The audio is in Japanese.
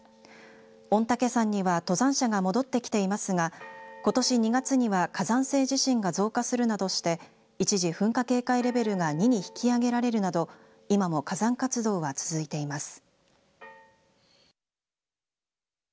御嶽山には登山者が戻ってきていますがことし２月には火山性地震が増加するなどして一時、噴火警戒レベルが２に引き上げられるなど今も火山活動は続いています。